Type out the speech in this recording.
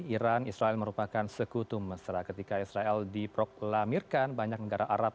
iran israel merupakan sekutu mesra ketika israel diproklamirkan banyak negara arab